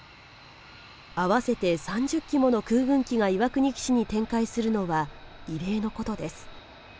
合わせて３０機もの空軍機が岩国基地に展開するのは異例のことです。